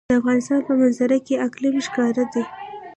د افغانستان په منظره کې اقلیم ښکاره ده.